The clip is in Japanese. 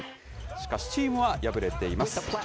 しかし、チームは敗れています。